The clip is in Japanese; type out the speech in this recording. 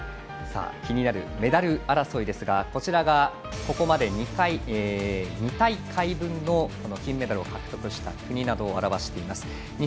気になるメダル争いですがこちらがここまで２大会分の金メダルを獲得した国などを表しています。